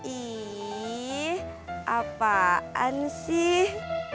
ih apaan sih